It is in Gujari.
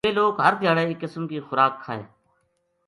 ویہ لوک ہر دھیاڑے ایک قسم کی خوراک کھائے